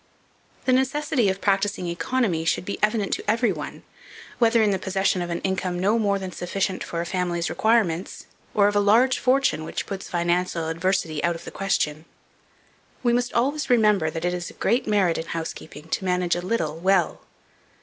The necessity of practising economy should be evident to every one, whether in the possession of an income no more than sufficient for a family's requirements, or of a large fortune, which puts financial adversity out of the question. We must always remember that it is a great merit in housekeeping to manage a little well.